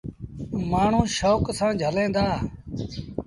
مآڻهوٚݩ شوڪ سآݩ جھليٚن دآ۔